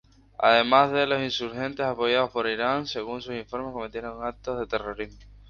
Además, los insurgentes apoyados por Irán según informes, cometieron actos de terrorismo.